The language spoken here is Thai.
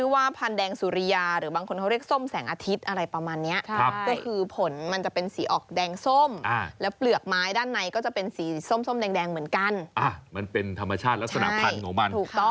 ส่วนเรื่องของตัวเลขในงวดนี้ที่เขาเห็นอะไรนั้น